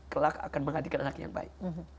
kelak akan menghadirkan anak yang baik